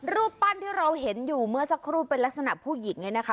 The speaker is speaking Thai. รูปปั้นที่เราเห็นอยู่เมื่อสักครู่เป็นลักษณะผู้หญิงเนี่ยนะคะ